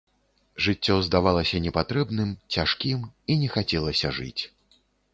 Жыццё здавалася непатрэбным, цяжкім, і не хацелася жыць.